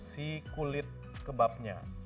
si kulit kebabnya